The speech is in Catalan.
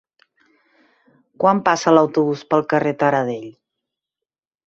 Quan passa l'autobús pel carrer Taradell?